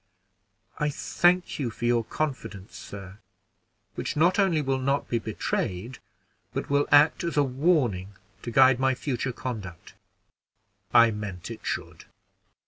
"I thank you for your confidence, sir, which not only will not be betrayed, but will act as a warning to guide my future conduct." "I meant it should.